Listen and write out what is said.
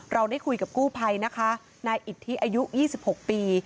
เราได้คุยกับกู้ภัยนะคะนายอิทธิอายุ๒๖ปี